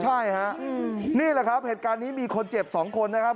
ใช่ฮะนี่แหละครับเหตุการณ์นี้มีคนเจ็บ๒คนนะครับ